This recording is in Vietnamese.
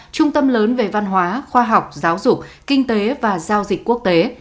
trung tâm lớn về văn hóa khoa học giáo dục kinh tế và giao dịch quốc tế